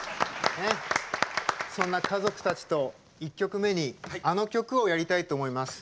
そんな家族たちと１曲目にあの曲をやりたいと思います。